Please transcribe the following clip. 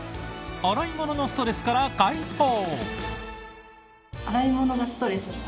洗い物のストレスから解放。